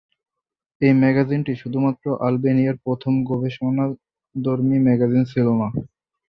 এই ম্যাগাজিনটি শুধুমাত্র আলবেনিয়ার প্রথম গবেষণাধর্মী ম্যাগাজিন ছিলো না।